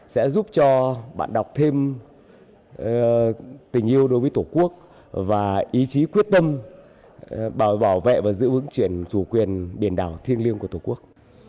sẽ giúp cho bạn đọc thêm tình yêu đối với tổ quốc và ý chí quyết tâm bảo vệ và giữ vững chuyển chủ quyền biển đảo thiêng liêng của tổ quốc